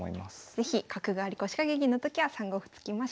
是非角換わり腰掛け銀のときは３五歩突きましょう。